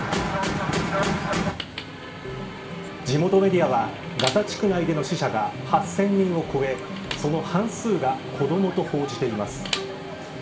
地元メディアはガザ地区内での死者が８０００人を超えその半数が子どもと報じています。